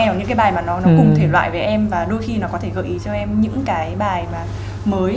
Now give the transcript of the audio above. hoặc những cái bài mà nó cùng thể loại với em và đôi khi nó có thể gợi ý cho em những cái bài mà mới